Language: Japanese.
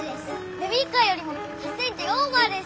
ベビーカーよりも８ｃｍオーバーです。